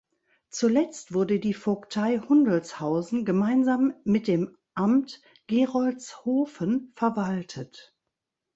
Zuletzt wurde die Vogtei Hundelshausen gemeinsam mit dem Amt Gerolzhofen verwaltet.